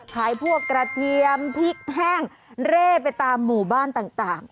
ขายพวกกระเทียมพริกแห้งเร่ไปตามหมู่บ้านต่าง